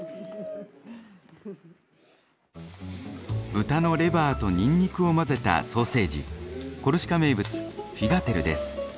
豚のレバーとにんにくを混ぜたソーセージコルシカ名物フィガテルです。